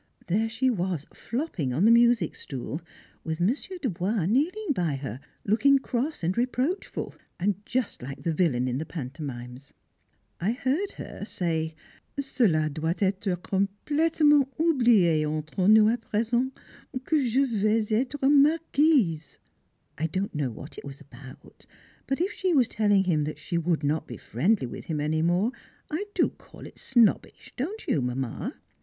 There she was flopping on the music stool, with Monsieur Dubois kneeling by her, looking cross and reproachful, and just like the villain in the pantomimes. I heard her say, "Cela doit être complètement oublié entre nous à présent que je vais être Marquise." I don't know what it was about, but if she was telling him she would not be friendly with him any more, I do call it snobbish, don't you, Mamma?